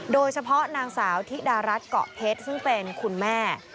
โดยเฉพาะนางสาวธิดารัฐเกาะเพชรซึ่งเป็นคุณแม่